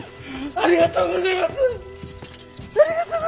ありがとうごぜます！